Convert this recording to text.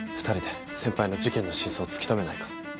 ２人で先輩の事件の真相を突き止めないか。